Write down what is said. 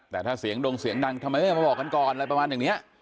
แต่ถ้าเสียงดงเสียงดังทำไมไม่มาบอกกันก่อนอะไรประมาณอย่างนี้